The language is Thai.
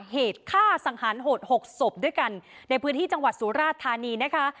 เหตุฆ่าสังหารโหดหกศพด้วยกันในพื้นที่จังหวัดสุราธานีนะคะ